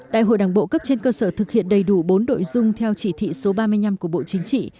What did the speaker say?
đại hội đảng bộ cấp trên cơ sở thực hiện đầy đủ bốn đội dung theo chỉ thị số ba mươi năm của bộ chính trị